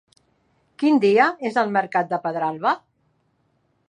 Quin dia és el mercat de Pedralba?